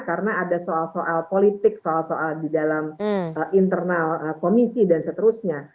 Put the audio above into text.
karena ada soal soal politik soal soal di dalam internal komisi dan seterusnya